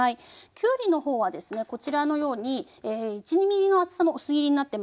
きゅうりの方はですねこちらのように１２ｍｍの厚さの薄切りになってます。